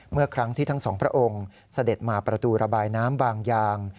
เมื่อครั้งที่ทั้งสองพระองค์เสด็จมาประตูระบายน้ำบางยาง